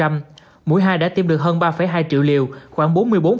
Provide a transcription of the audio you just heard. mỗi hai đã tiêm được hơn ba hai triệu liều khoảng bốn mươi bốn